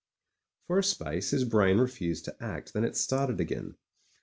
For a space his brain refused to act; then it started again.